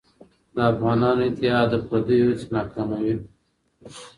د افغانانو اتحاد د پرديو هڅې ناکاموي.